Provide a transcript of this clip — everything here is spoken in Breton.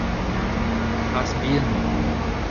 Ar c'hazh bihan-mañ.